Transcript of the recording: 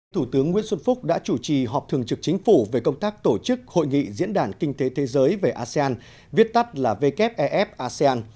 thủ tướng nguyễn xuân phúc đã chủ trì họp thường trực chính phủ về công tác tổ chức hội nghị diễn đàn kinh tế thế giới về asean viết tắt là wef asean